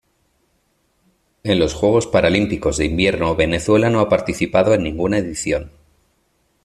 En los Juegos Paralímpicos de Invierno Venezuela no ha participado en ninguna edición.